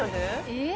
えっ？